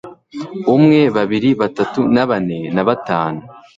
Umwe babiri batatu na bane na batanu